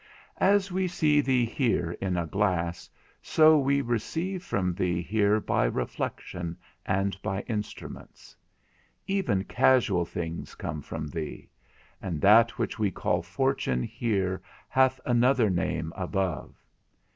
As we see thee here in a glass, so we receive from thee here by reflection and by instruments. Even casual things come from thee; and that which we call fortune here hath another name above.